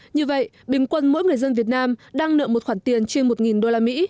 như vậy bình quân mỗi người dân việt nam đang nợ một khoản tiền trên một usd